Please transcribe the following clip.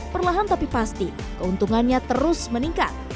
perlahan tapi pasti keuntungannya terus meningkat